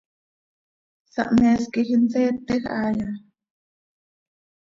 ¿Sahmees quij inseetej haaya?